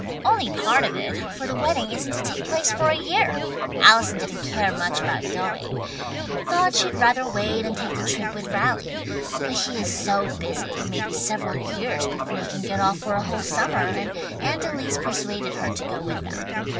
"Only part of it, for the wedding isn't to take place for a year. Allison didn't care much about going thought she'd rather wait and take the trip with Raleigh. But he is so busy it may be several years before he can get off for a whole summer, and Aunt Elise persuaded her to go with them.